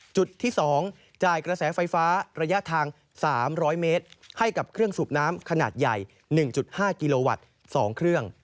จุดที่๒จ่ายกระแสไฟฟ้าระยะทาง๓๐๐เมตรให้กับเครื่องสูบน้ำขนาดใหญ่๑๕กิโลวัตต์๒เครื่อง